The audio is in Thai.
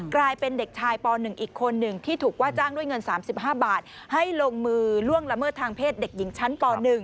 กลายเป็นเด็กชายป๑อีกคนหนึ่งที่ถูกว่าจ้างด้วยเงิน๓๕บาทให้ลงมือล่วงละเมิดทางเพศเด็กหญิงชั้นป๑